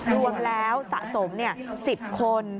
รวมแล้วสะสม๑๐คน